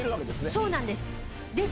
そうなんです。